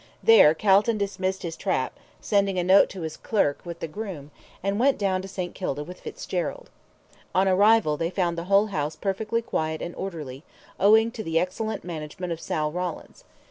There Calton dismissed his trap, sending a note to his clerk with the groom, and went down to St. Kilda with Fitzgerald. On arrival they found the whole house perfectly quiet and orderly, owing to the excellent management of Sal Rawlins.